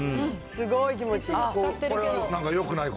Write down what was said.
すごい気持ちいい。